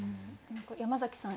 山崎さん